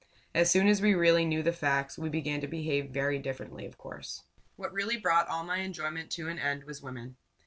As soon as we really knew the facts, we began to behave very differently, of course. What really brought all my enjoyment to an end was women.